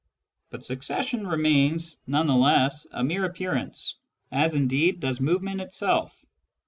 But suc cession remains none the less a mere appearance, as indeed does movement itself.